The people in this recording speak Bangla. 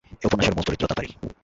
এ উপন্যাসের মূল চরিত্র তাতারী।